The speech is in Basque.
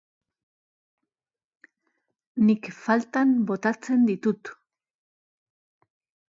Nik faltan botatzen ditut.